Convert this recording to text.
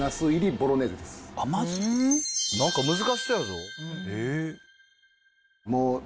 何か難しそうやぞ。